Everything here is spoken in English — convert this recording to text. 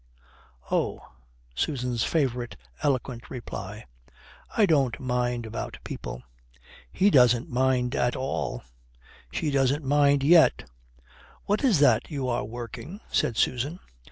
"Oh." (Susan's favourite eloquent reply.) "I don't mind about people." "He doesn't mind at all. She doesn't mind yet." "What is that you are working?" said Susan.